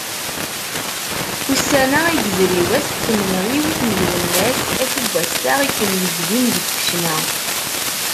Ussan-a, i yezri wass n tmenɣiwt n Lwennas, acu n wassaɣen i aken-yezdin deg ccna?